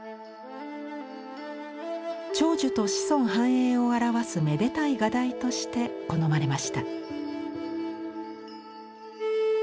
長寿と子孫繁栄を表すめでたい画題として好まれました。